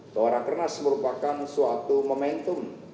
bahwa rakernas merupakan suatu momentum